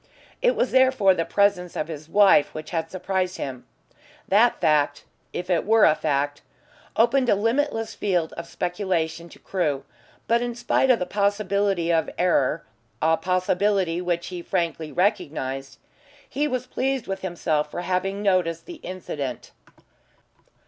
It was therefore the presence of his wife which had surprised him. That fact if it were a fact opened a limitless field of speculation to Crewe, but in spite of the possibility of error a possibility which he frankly recognised he was pleased with himself for having noticed the incident.